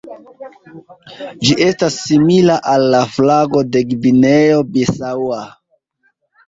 Ĝi estas simila al la flago de Gvineo Bisaŭa.